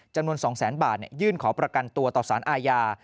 จำนวน๒แสนบาทยื่นขอประกันตัวต่อสารอาญา